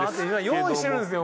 用意してるんですよ。